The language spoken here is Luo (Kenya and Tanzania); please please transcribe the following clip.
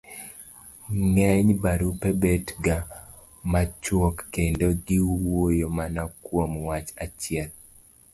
ng'eny barupe bet ga machuok kendo giwuoyo mana kuom wach achiel.